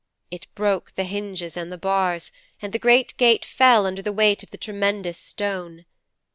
It broke the hinges and the bars, and the great gate fell under the weight of the tremendous stone.